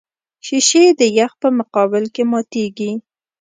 شیشې د یخ په مقابل کې ماتېږي.